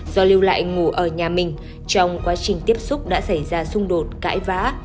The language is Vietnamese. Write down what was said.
do lưu lại ngủ ở nhà mình trong quá trình tiếp xúc đã xảy ra xung đột cãi vã